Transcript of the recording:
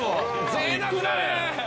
ぜいたくだね。